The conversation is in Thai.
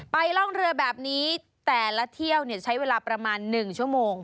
ร่องเรือแบบนี้แต่ละเที่ยวใช้เวลาประมาณ๑ชั่วโมง